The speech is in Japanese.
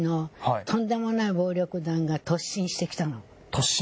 突進？